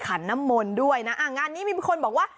ขันน้ำมนต์ด้วยนะอ่างานนี้มีคนบอกว่า